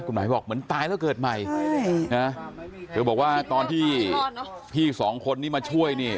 คุณหมายบอกเหมือนตายแล้วเกิดใหม่นะเธอบอกว่าตอนที่พี่สองคนนี้มาช่วยเนี่ย